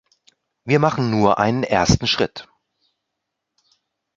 Wir machen nur einen ersten Schritt.